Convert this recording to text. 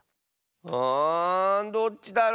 あどっちだろ？